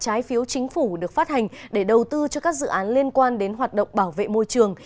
trái phiếu chính phủ được phát hành để đầu tư cho các dự án liên quan đến hoạt động bảo vệ môi trường